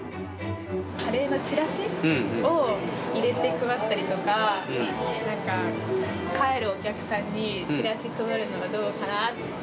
カレーのチラシを入れて配ったりとか、帰るお客さんにチラシ配るのはどうかなって。